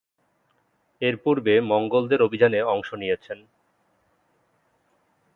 এর পূর্বে মঙ্গোলদের অভিযানে অংশ নিয়েছেন।